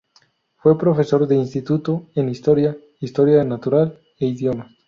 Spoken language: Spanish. Fue profesor de instituto en Historia, Historia Natural, e idiomas.